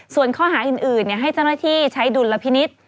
ส่วนข้อหาอื่นให้เจ้าหน้าที่ใช้ดุลพินิษฐ์